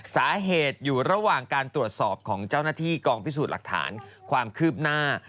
สาเหตุอยู่ระหว่างการตรวจสอบของเจ้าหน้าที่กองพิสูจน์หลักฐานความคืบหน้า